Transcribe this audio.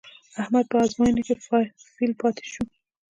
احمد په ازموینه کې فېل پاتې شو.